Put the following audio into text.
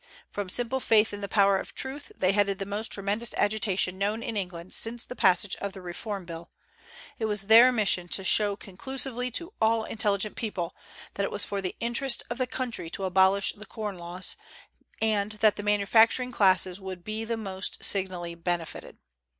From simple faith in the power of truth they headed the most tremendous agitation known in England since the passage of the Reform Bill. It was their mission to show conclusively to all intelligent people that it was for the interest of the country to abolish the corn laws, and that the manufacturing classes would be the most signally benefited.